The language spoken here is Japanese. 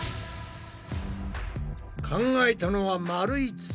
考えたのはまるい筒。